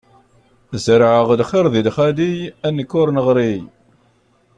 Zerɛeɣ lxiṛ di lxali, a nekk ur neɣri!